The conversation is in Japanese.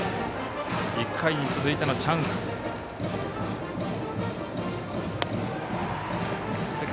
１回に続いてのチャンス。